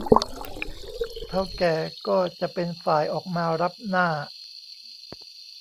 เถ้าแก่ก็จะเป็นฝ่ายออกมารับหน้า